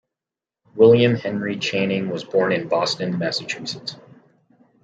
William Henry Channing was born in Boston, Massachusetts.